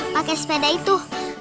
pake sepeda itu